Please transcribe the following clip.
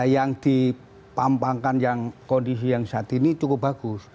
yang dipampangkan yang kondisi yang saat ini cukup bagus